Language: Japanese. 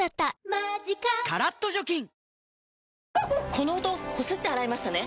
この音こすって洗いましたね？